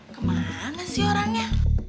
kemana sih orangnya